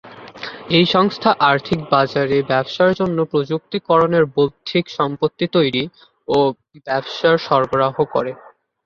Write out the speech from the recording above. এই সংস্থা আর্থিক বাজারে ব্যবসার জন্য প্রযুক্তি করণের বৌদ্ধিক সম্পত্তি তৈরি ও ব্যবসার সরবরাহ করে।